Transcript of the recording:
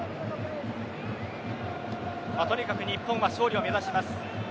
とにかく日本は勝利を目指します。